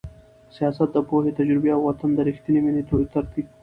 سیاست د پوهې، تجربې او د وطن د رښتینې مینې یو ترکیب دی.